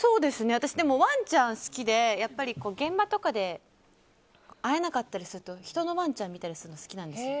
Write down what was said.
私、ワンちゃん好きでやっぱり現場とかで会えなかったりすると人のワンちゃん見たりするの好きなんですよ。